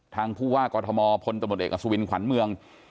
ทางผู้ว่ากอทมพลตำรวจเอกอสุวินขวัญเมือง